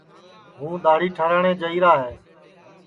ہوں دؔاڑی ٹھراٹؔے جائیرا ہے